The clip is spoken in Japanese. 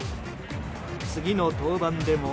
次の登板でも。